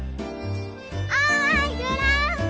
おーいグランマ！